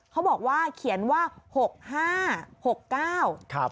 เขาบอกว่าเขียนว่า๖๕๖๙